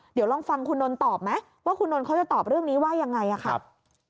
เดี๋ยวลองฟังคุณนนท์ตอบไหมว่าคุณนนท์เขาจะตอบเรื่องนี้ว่ายังไงค่ะ